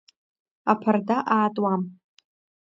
Аԥарда аатуам.